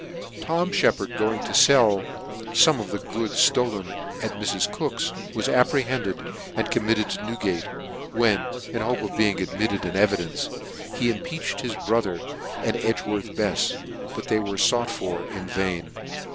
Tom Shcppard going to fell fome of the goods ftolen at Mrs. Cook's, was apprehended and com mitted to Newgate, when, in the hope of being admitted an evidence he impeached his brother and Edgworth Befs, but they were fought for in vain.